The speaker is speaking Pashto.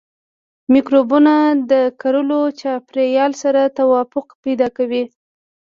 مکروبونه د کرلو چاپیریال سره توافق پیدا کوي.